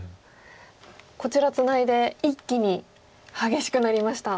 こちらツナいで一気に激しくなりました。